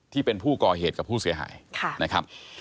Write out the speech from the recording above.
ที่เป็นผู้ก่อเหตุกับผู้เสียหายนะครับ